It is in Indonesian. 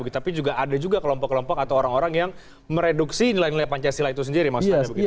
tapi juga ada juga kelompok kelompok atau orang orang yang mereduksi nilai nilai pancasila itu sendiri maksudnya begitu